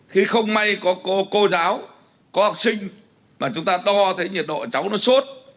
khi không may có cô giáo có học sinh mà chúng ta đo thấy nhiệt độ cháu nó sốt